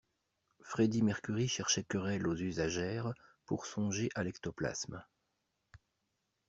Freddie Mercury cherchait querelle aux usagères pour songer à l'ectoplasme.